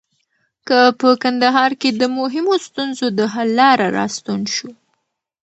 هغه په کندهار کې د مهمو ستونزو د حل لپاره راستون شو.